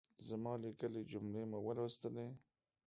زما ليکلۍ جملې مو ولوستلې؟